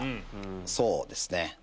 そうですね。